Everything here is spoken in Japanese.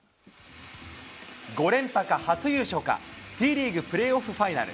５連覇か初優勝か、Ｔリーグプレーオフファイナル。